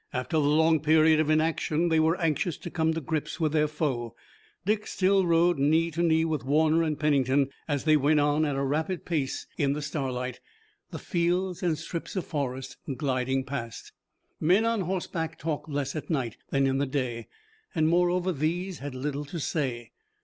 After the long period of inaction they were anxious to come to grips with their foe. Dick still rode knee to knee with Warner and Pennington, as they went on at a rapid pace in the starlight, the fields and strips of forest gliding past. Men on horseback talk less at night than in the day and moreover these had little to say.